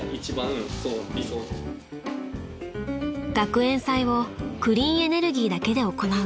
［学園祭をクリーンエネルギーだけで行う］